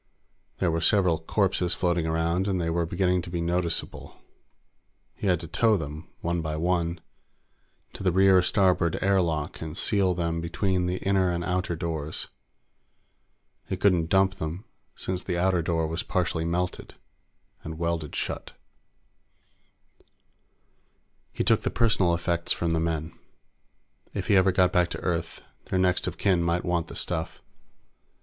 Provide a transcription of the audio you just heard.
There were several corpses floating around, and they were beginning to be noticeable. He had to tow them, one by one, to the rear starboard air lock and seal them between the inner and outer doors. He couldn't dump them, since the outer door was partially melted and welded shut. He took the personal effects from the men. If he ever got back to Earth, their next of kin might want the stuff.